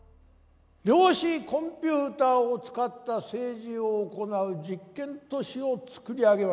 量子コンピューターを使った政治を行う実験都市を作り上げました。